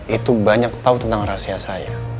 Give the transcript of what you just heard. itu banyak tahu tentang rahasia saya